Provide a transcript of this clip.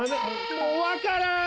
もうわからん！